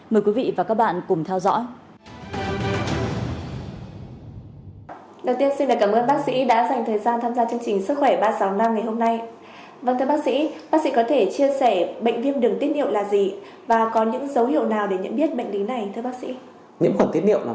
mời quý vị và các bạn cùng theo dõi